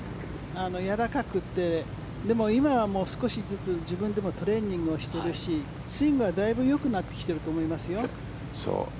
やわらかくてでも今はもう少しずつ自分でもトレーニングをしているしスイングはだいぶよくなってきていると思いますよ。